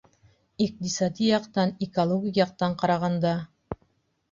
Иҡтисади яҡтан, экологик яҡтан ҡарағанда.